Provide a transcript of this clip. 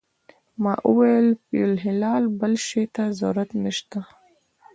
ما وویل فی الحال بل شي ته ضرورت نه شته.